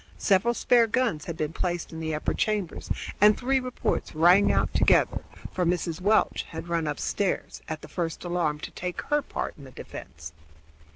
Several spare guns had been placed in the upper chambers, and three reports rang out together, for Mrs. Welch had run upstairs at the first alarm to take her part in the defense.